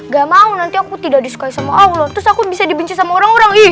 gak mau nanti aku tidak disukai sama allah terus aku bisa dibenci sama orang orang